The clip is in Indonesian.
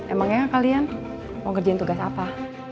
emangnya gak kalian mau kerjain tugas apa